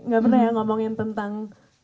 gak pernah ya ngomongin tentang